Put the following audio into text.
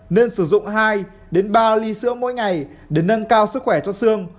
nên sử dụng hai ba ly sữa mỗi ngày để nâng cao sức khỏe cho xương